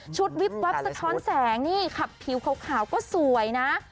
วิบวับสะท้อนแสงนี่ขับผิวขาวก็สวยนะ